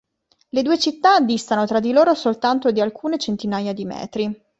Le due città distano tra di loro soltanto di alcune centinaia di metri.